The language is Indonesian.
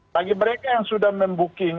bagi mereka yang sudah membuking